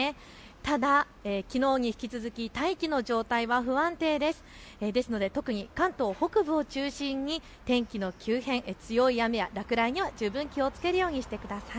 ただきのうに引き続き大気の状態は不安定です。ですので特に関東北部を中心に天気の急変、強い雨や落雷には十分気をつけるようにしてください。